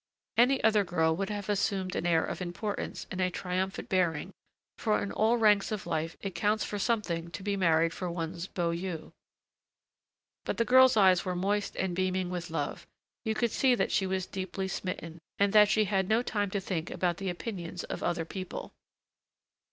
Any other girl would have assumed an air of importance and a triumphant bearing; for in all ranks of life it counts for something to be married for one's beaux yeux. But the girl's eyes were moist and beaming with love; you could see that she was deeply smitten, and that she had no time to think about the opinions of other people.